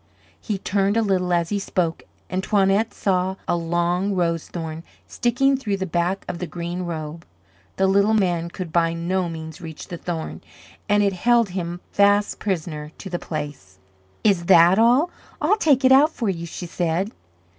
He turned a little as he spoke and Toinette saw a long rose thorn sticking through the back of the green robe. The little man could by no means reach the thorn, and it held him fast prisoner to the place. "Is that all? I'll take it out for you," she said.